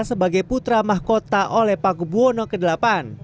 sebagai putra mahkota oleh pak gubwono v